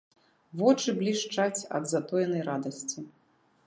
Вочы блішчаць ад затоенай радасці.